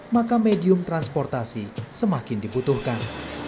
maka medium transportasi semakin dibutuhkan